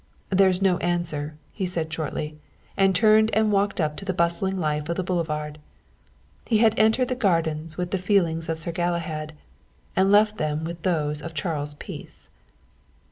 "There's no answer," he said shortly, and turned and walked up to the bustling life of the boulevard. He had entered the gardens with the feelings of Sir Galahad, he left them with those of Charles Peace.